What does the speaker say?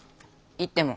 行っても。